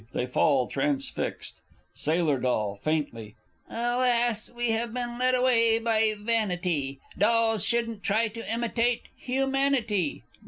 [They fall transfixed. Sailor D. (faintly). Alas, we have been led away by vanity. Dolls shouldn't try to imitate humanity!